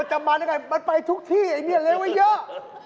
มันจะมาแล้วกันมันไปทุกที่ไอ้เมียเลวไอ้เยอะ